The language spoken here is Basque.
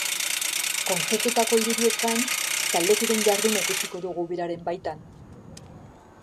Kontzertuetako irudiez gain, taldekideen jarduna ikusiko dugu biraren baitan.